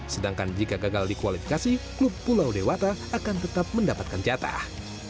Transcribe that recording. sedangkan jika gagal di kualifikasi klub pulau dewata akan tetap mendapatkan jatah